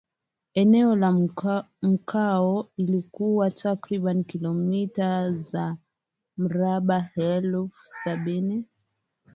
eneo la mkoa lilikuwa takriban kilometa za mraba elfu sabini